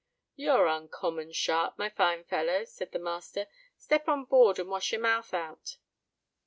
"You're uncommon sharp, my fine feller," said the master. "Step on board and wash your mouth out."